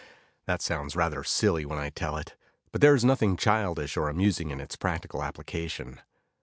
That sounds rather silly when I tell it, but there is nothing childish or amusing in its practical application.